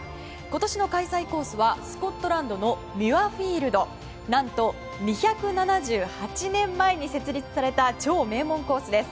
今年の開催コースはスコットランドのミュアフィールド何と２７８年前に設立された超名門コースです。